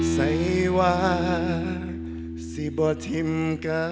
ใส่ว่าสี่บ่ทิมการ